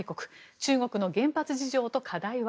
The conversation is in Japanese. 中国の原発事情と課題は？